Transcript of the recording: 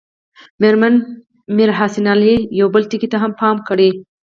مېرمن میر حسن علي یو بل ټکي ته هم پام کړی.